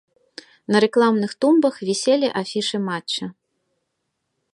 На рэкламных тумбах віселі афішы матча.